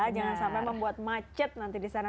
jangan sampai membuat macet nanti di sana